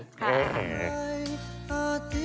ค่ะ